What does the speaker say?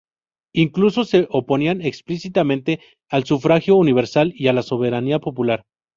Incluso se oponían explícitamente al sufragio universal y a la soberanía popular.